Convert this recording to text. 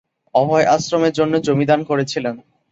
অভয় আশ্রমের জন্যে জমি দান করেছিলেন।